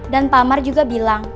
dan pak amar juga bilang